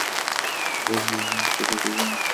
দেশ বিভাগের আগে এটি খুব ব্যস্ত জংশন ছিল।